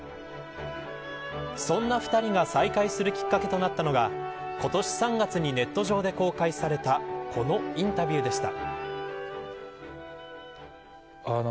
そんな２人が再会するきっかけとなったのが今年３月にネット上で公開されたこのインタビューでした。